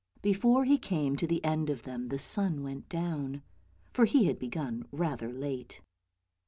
Before he came to the end of them the sun went down, for he had begun rather late.